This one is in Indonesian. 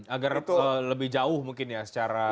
agar lebih jauh mungkin ya secara